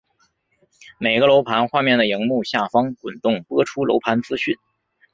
每个楼盘画面的萤幕下方滚动播出楼盘资讯。